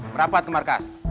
berapat ke markas